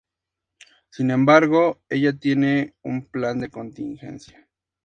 Sin embargo, ella tiene un plan de contingencia.